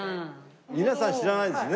皆さん知らないですね。